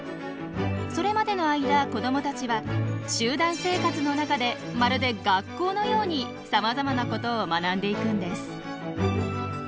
それまでの間子どもたちは集団生活の中でまるで学校のようにさまざまなことを学んでいくんです。